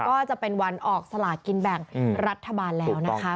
ก็จะเป็นวันออกสลากินแบ่งรัฐบาลแล้วนะคะ